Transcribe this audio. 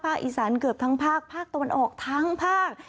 อีสานเกือบทั้งภาคภาคตะวันออกทั้งภาค